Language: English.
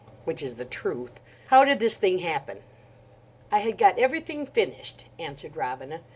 (Which is the truth.) "How did this thing happen?" "I had got everything finished," answered Robina.